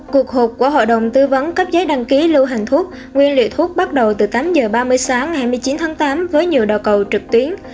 cuộc hộp của hội đồng tư vấn cấp giấy đăng ký lưu hành thuốc nguyên liệu thuốc bắt đầu từ tám h ba mươi sáng ngày hai mươi chín tháng tám với nhiều đầu cầu trực tuyến